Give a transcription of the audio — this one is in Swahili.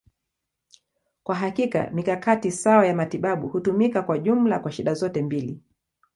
Kwa hakika, mikakati sawa ya matibabu hutumika kwa jumla kwa shida zote mbili.